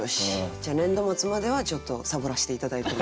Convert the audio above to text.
じゃあ年度末まではちょっとサボらして頂いても。